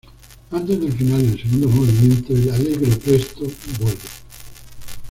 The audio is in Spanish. Antes del final del segundo movimiento, el "allegro presto" vuelve.